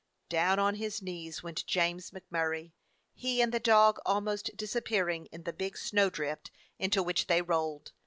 Down on his knees went James MacMurray, he and the dog almost disappearing in the big snow drift into which they rolled.